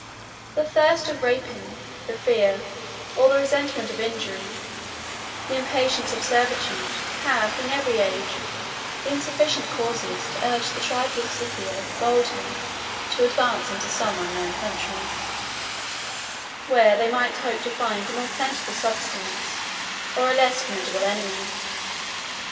The thirst of rapine, the fear, or the resentment of injury, the impatience of servitude, have, in every age, been sufficient causes to urge the tribes of Scythia boldly to advance into some unknown countries, where they might hope to find a more plentiful subsistence or a less formidable enemy.